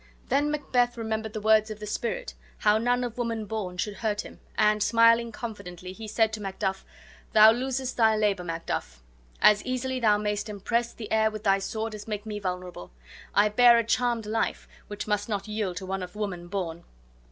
Then Macbeth remembered the words of the spirit, how none of woman born should hurt him; and, smiling confidently, he said to Macduff: "Thou losest thy labor, Macduff. As easily thou mayest impress the air with thy sword as make me vulnerable. I bear a charmed life, which must not yield to one of woman born."